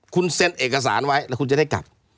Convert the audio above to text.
คุณเซ็นเอกสารไว้แล้วคุณจะได้กลับ